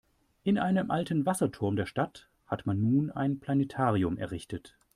In einem alten Wasserturm der Stadt hat man nun ein Planetarium errichtet.